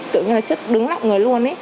kiểu như là chất đứng lặng người luôn ấy